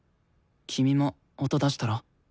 君も音出したら？